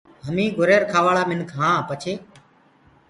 هميٚنٚ گُھرير کآواݪآ مِنک هآن پڇي